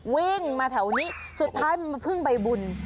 วิ่งมาแถวนี้สุดท้ายมันมาพึ่งใบบุญ